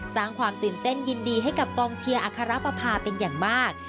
สร้างความตื่นเต้นยินดีให้กับกองเชียร์อัครปภาเป็นอย่างมาก